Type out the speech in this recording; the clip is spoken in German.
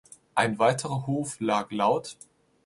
Ein weiterer Hof lag lt.